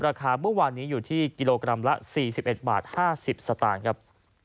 ราคาเมื่อวานนี้อยู่ที่กิโลกรัมละ๔๑บาท๕๐สตางค์ครับ